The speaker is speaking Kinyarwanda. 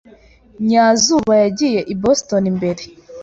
Nyazuba yagiye i Boston mbere.